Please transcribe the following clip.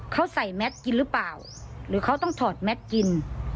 เขาใส่แมทกินหรือเปล่าหรือเขาต้องถอดแมทกิน